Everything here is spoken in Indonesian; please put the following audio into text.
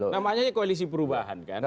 namanya koleksi perubahan kan